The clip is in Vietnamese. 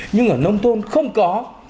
nhưng ở nông thôn không có